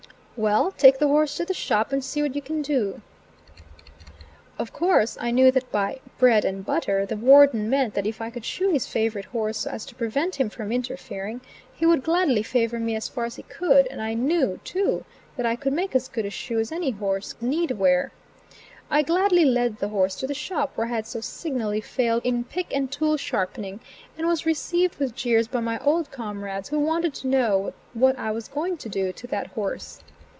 "Well take the horse to the shop and see what you can do." Of course, I knew that by "bread and butter" the warden meant that if I could shoe his favorite horse so as to prevent him from interfering, he would gladly favor me as far as he could; and I knew, too, that I could make as good a shoe as any horse need wear. I gladly led the horse to the shop where I had so signally failed in pick and tool sharpening, and was received with jeers by my old comrades who wanted to know what I was going to do to that horse.